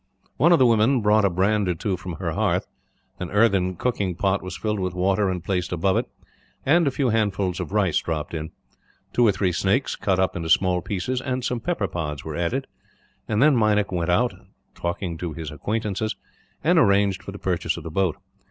One of the women brought a brand or two from her hearth. An earthen cooking pot was filled with water and placed above it, and a few handfuls of rice dropped in. Two or three snakes, cut up into small pieces, and some pepper pods were added; and then Meinik went out, talked to his acquaintances, and arranged for the purchase of the boat.